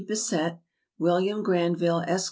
Bisset, William Grranville, Esq.